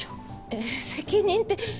えぇ責任って？